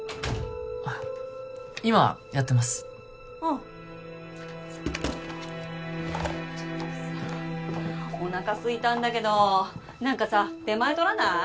あっ今やってますああおなかすいたんだけど何かさ出前とらない？